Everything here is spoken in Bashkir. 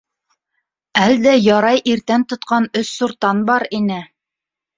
Әлдә ярай иртән тотҡан өс суртан бар ине.